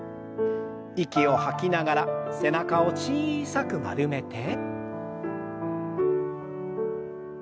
息を吐きながら背中を小さく丸めて。